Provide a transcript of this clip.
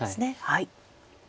はい。